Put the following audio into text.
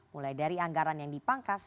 mulai dari anggaran yang dipangkas